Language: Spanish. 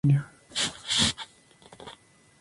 La iglesia es una señal histórica de California.